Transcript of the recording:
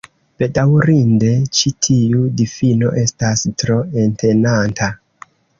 Bedaŭrinde, ĉi tiu difino estas tro entenanta.